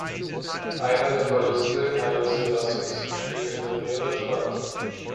Einer der Paläste Haile Selassies steht in der Nähe der Stadt.